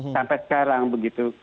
sampai sekarang begitu